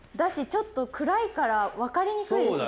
ちょっと暗いから分かりにくいですね